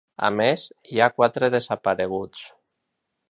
A més, hi ha quatre desapareguts.